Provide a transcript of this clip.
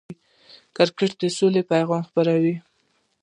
کرکټ د سولې پیغام خپروي.